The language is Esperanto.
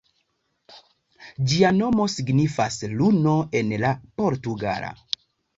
Ĝia nomo signifas "luno" en la portugala.